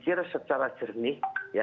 kita berpikir secara jernih